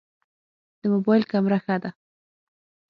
د موبایل کمره ښه ده؟